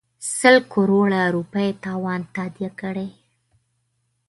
سل کروړه روپۍ تاوان تادیه کړي.